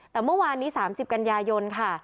แต่เมื่อวานนี้๓๐กันยายนค่ะ